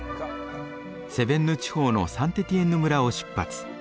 セヴェンヌ地方のサンテティエンヌ村を出発。